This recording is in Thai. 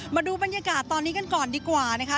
มาดูบรรยากาศตอนนี้กันก่อนดีกว่านะคะ